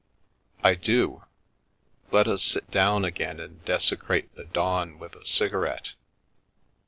" I do. Let us sit down again and desecrate the dawn with a cigarette."